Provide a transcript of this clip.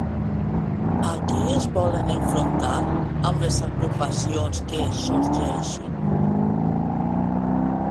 A qui es volen enfrontar amb les agrupacions que sorgeixin?